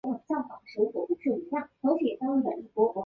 死后其子摩醯逻矩罗即位。